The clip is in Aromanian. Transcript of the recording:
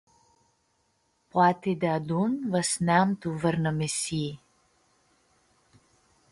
Poati deadun va s-neam tu vãrnã misii.